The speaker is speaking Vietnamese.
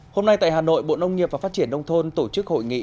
hôm nay tại hà nội bộ nông nghiệp và phát triển nông thôn tổ chức hội nghị